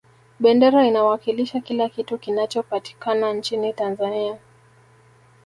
bendera inawakilisha kila kitu kinachopatikana nchini tanzania